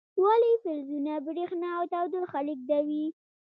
ولې فلزونه برېښنا او تودوخه لیږدوي؟